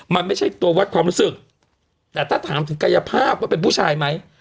มันไม่ใช่ตัววัดความรู้สึกแต่ถ้าถามถึงกายภาพว่าเป็นผู้ชายไหม